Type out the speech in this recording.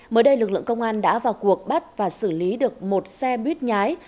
mới đây lực lượng công an đã vào cuộc bắt và xử lý được một xe buýt nhái